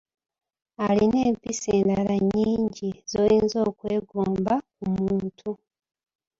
Alina empisa endala nnyingi z'oyinza okwegomba ku muntu.